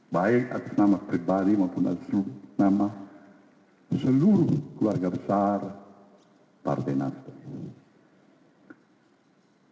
baik atas nama pribadi maupun atas nama seluruh keluarga besar partai nasdem